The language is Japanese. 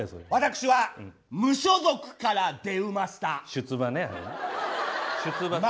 「出馬」ね。